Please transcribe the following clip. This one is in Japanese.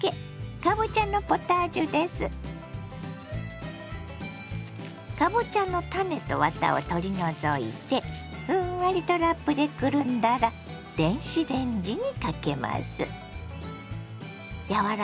かぼちゃの種とワタを取り除いてふんわりとラップでくるんだら電子レンジにかけます。